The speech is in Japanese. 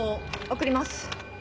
送ります。